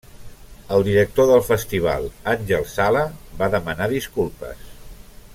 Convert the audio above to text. El director del festival, Àngel Sala, va demanar disculpes.